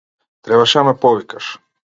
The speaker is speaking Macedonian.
Требаше да ме повикаш.